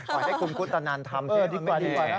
อย่าให้กุมกุตตานานทำสิไม่ดีกว่านะ